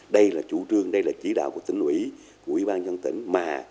đây là chủ trương đây là chỉ đạo của tỉnh ủy của ủy ban nhân tỉnh mà